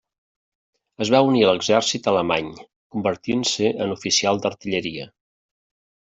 Es va unir a l'exèrcit alemany, convertint-se en oficial d'artilleria.